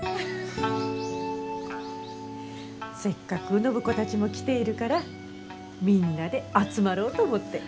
せっかく暢子たちも来ているからみんなで集まろうと思って。